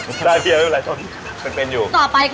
ใช่เฮียไม่เป็นไรโทษเป็นอยู่